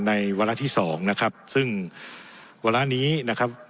ในวันละที่สองนะครับซึ่งวันละนี้นะครับ